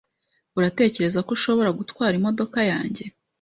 Uratekereza ko ushobora gutwara imodoka yanjye?